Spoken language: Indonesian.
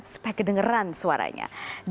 supaya kedengeran suaranya